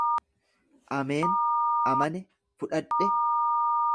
Ameen, amane, fudhadhe.